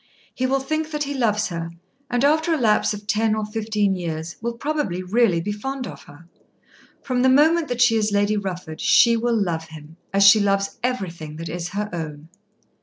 He will think that he loves her, and after a lapse of ten or fifteen years will probably really be fond of her. From the moment that she is Lady Rufford, she will love him, as she loves everything that is her own.